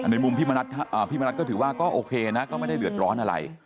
ในมุมพี่มณัฐก็ถือว่าก็โอเคนะก็ไม่ได้เดือดร้อนอะไร